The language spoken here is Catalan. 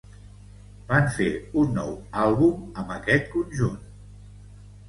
Van fer un nou àlbum amb aquest conjunt.